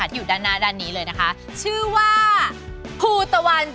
เจลสมุนไพรไทยออร์แกนิกส่วนผสมจากธรรมชาติ๑๐๐